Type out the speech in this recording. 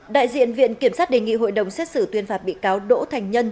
đại diện viện kiểm sát đề nghị hội đồng xét xử tuyên phạt bị cáo đỗ thành nhân